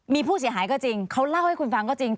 มีผู้เสียหายก็จริงเขาเล่าให้คุณฟังก็จริง